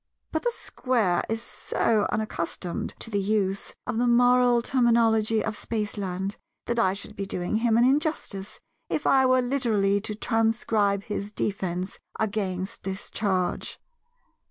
But the Square is so unaccustomed to the use of the moral terminology of Spaceland that I should be doing him an injustice if I were literally to transcribe his defence against this charge.